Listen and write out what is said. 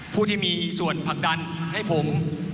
ผู้ที่มีส่วนผลักดันให้ผม